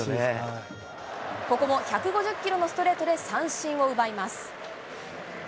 ここも１５０キロのストレートで三振を奪います。